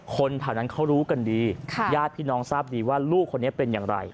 คนแถวนั้นเขารู้กันดีญาติพี่น้องทราบดีว่าลูกคนนี้เป็นอย่างไร